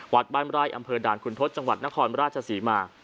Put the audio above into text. วัดบ้านไร่อำเภอด่านคุณทศจังหวัดนครราชศรีมา